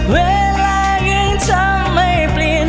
เวลายังจะไม่เปลี่ยน